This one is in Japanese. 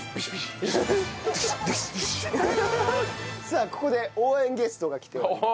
さあここで応援ゲストが来ております。